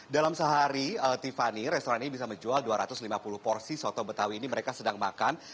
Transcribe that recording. dalam sehari tiffany restoran ini bisa menjual dua ratus lima puluh porsi soto betawi ini mereka sedang makan